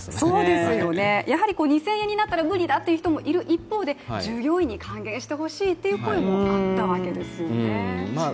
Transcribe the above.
やはり２０００円になったら無理だという人がいる一方で従業員に還元してほしいという声もあったわけですよね。